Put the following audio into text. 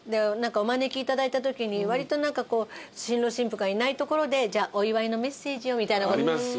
お招きいただいたときにわりと新郎新婦がいないところで「じゃあお祝いのメッセージを」みたいな。